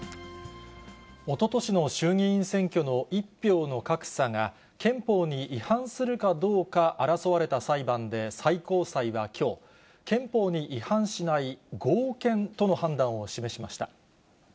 おととしの衆議院選挙の１票の格差が、憲法に違反するかどうか争われた裁判で、最高裁はきょう、憲法に違反しない合憲との判断を示しました。